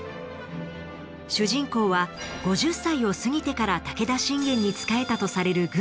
主人公は５０歳を過ぎてから武田信玄に仕えたとされる